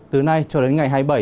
từ nay cho đến ngày hai mươi bảy